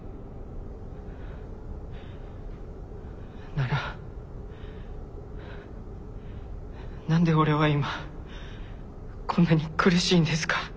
なら何で俺は今こんなに苦しいんですか？